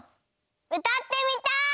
うたってみたい！